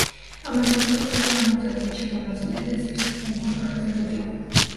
A menudo se obtiene una muestra de dicha población, es decir, un subconjunto representativo.